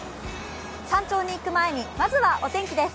山頂に行く前にまずはお天気です。